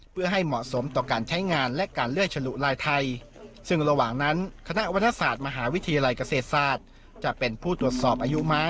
เพื่อให้เหมาะสมต่อการใช้งานและการเลื่อยฉลุลายไทย